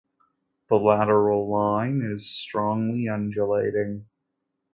The lateral line is strongly undulating.